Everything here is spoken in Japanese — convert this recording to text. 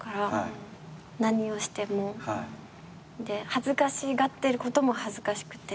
恥ずかしがってることも恥ずかしくて。